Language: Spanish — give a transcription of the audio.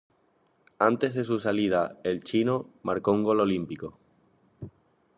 Antes de su salida el "Chino" marcó un gol olímpico.